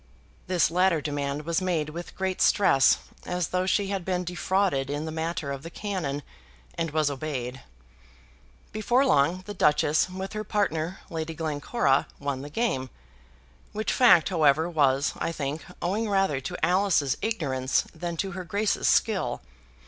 This latter demand was made with great stress, as though she had been defrauded in the matter of the cannon, and was obeyed. Before long, the Duchess, with her partner, Lady Glencora, won the game, which fact, however, was, I think, owing rather to Alice's ignorance than to her Grace's skill.